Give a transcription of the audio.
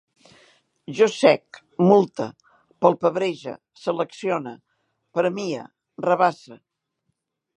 Jo sec, multe, palpebrege, seleccione, premie, rabasse